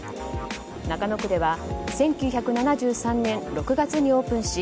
中野区では１９７３年６月にオープンし